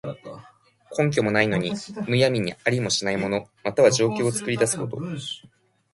根拠もないのに、むやみにありもしない物、または情況を作り出すこと。